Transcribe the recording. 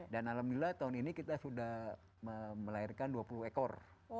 dan alhamdulillah tahun ini kita sudah melahirkan dua puluh ekor